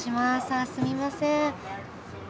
あっすみません。